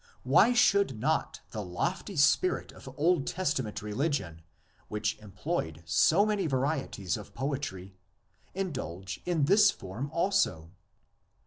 Why should not the lofty spirit of Old Testament reli gion, which employed so many varieties of poetry, indulge in this form also?